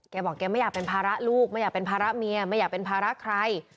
บอกแกไม่อยากเป็นภาระลูกไม่อยากเป็นภาระเมียไม่อยากเป็นภาระใคร